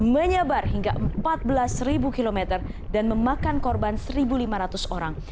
menyebar hingga empat belas km dan memakan korban satu lima ratus orang